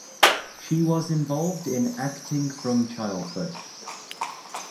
She was involved in acting from childhood.